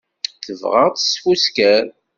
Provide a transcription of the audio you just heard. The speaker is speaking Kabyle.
Tebɣa ad tesfusker.